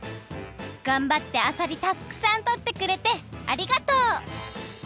がんばってあさりたっくさんとってくれてありがとう！